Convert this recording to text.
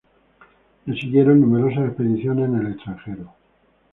Le siguieron numerosas expediciones en el extranjero.